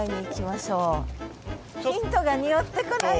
ヒントが匂ってこない？